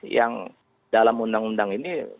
yang dalam undang undang ini